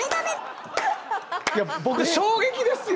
いや僕衝撃ですよ！